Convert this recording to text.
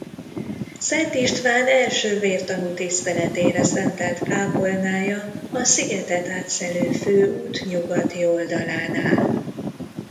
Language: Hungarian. Szent István első vértanú tiszteletére szentelt kápolnája a szigetet átszelő főút nyugati oldalán áll.